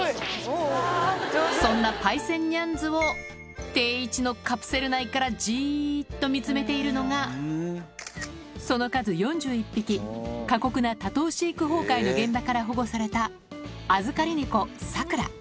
そんなパイセンニャンズを定位置のカプセル内からじーっと見つめているのが、その数４１匹、過酷な多頭飼育崩壊の現場から保護された預かり猫、サクラ。